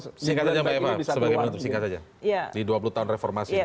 singkat saja mbak eva di dua puluh tahun reformasi